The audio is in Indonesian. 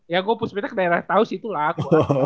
ya gue puspitec dari retaus itulah aku